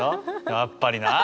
やっぱりな！